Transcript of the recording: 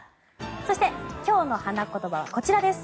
そして、今日の花言葉はこちらです。